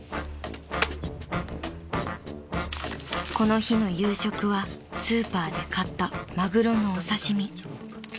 ［この日の夕食はスーパーで買ったマグロのお刺し身］